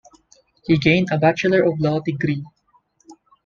He gained a Bachelor of Law degree.